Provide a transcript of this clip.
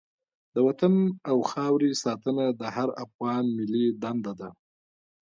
د وطن او خاورې ساتنه د هر افغان ملي دنده ده.